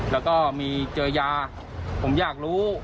แล้วก็มีเจอยาผมอยากรู้